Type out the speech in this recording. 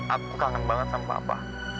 aku kangen banget sama apa